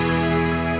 lalu dia nyaman